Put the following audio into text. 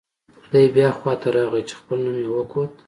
دی بیا خوا ته راغی چې خپل نوم یې وکوت.